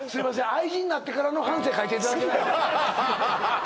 愛人になってからの半生書いていただけない？